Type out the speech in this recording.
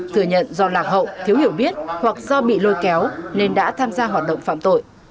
thừa nhận do lạc hậu thiếu hiểu biết hoặc do bị lôi kéo nên đã tham gia hoạt động phạm tội